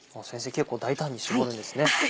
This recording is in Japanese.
結構大胆に搾るんですね。